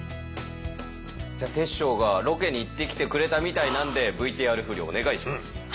煌翔がロケに行ってきてくれたみたいなんでＶＴＲ振りお願いします。